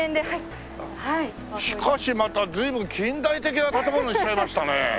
しかしまた随分近代的な建物にしちゃいましたね。